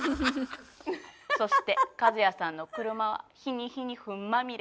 そしてカズヤさんの車は日に日にフンまみれ。